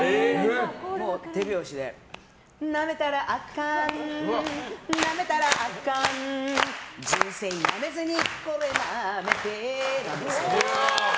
手拍子で、なめたらあかんなめたらあかん人生なめずにこれなめてなんですよ。